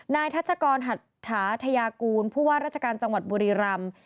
ทัชกรหัตถาธยากูลผู้ว่าราชการจังหวัดบุรีรำ